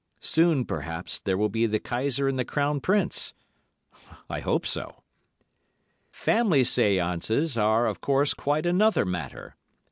(Soon, perhaps, there will be the Kaiser and the Crown Prince. I hope so.) Family séances are, of course, quite another matter.